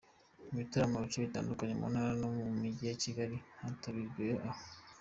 ibitaramo mu bice bitandukanye mu ntara no mu mujyi wa Kigali batahibagiwe aho.